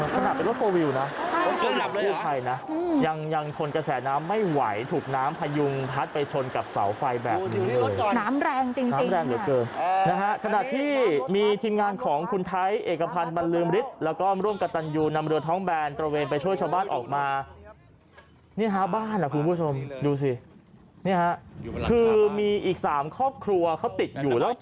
ขวางขวางขวางขวางขวางขวางขวางขวางขวางขวางขวางขวางขวางขวางขวางขวางขวางขวางขวางขวางขวางขวางขวางขวางขวางขวางขวางขวางขวางขวางขวางขวางขวางขวางขวางขวางขวางข